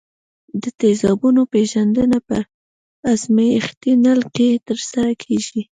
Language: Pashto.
د تیزابونو پیژندنه په ازمیښتي نل کې ترسره کیږي.